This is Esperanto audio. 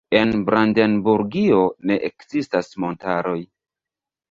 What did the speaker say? En Brandenburgio ne ekzistas montaroj.